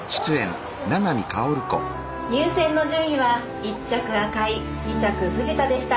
入線の順位は１着・赤井２着・藤田でした。